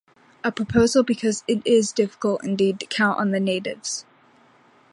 A proposal because It is difficult, indeed, to count on the natives.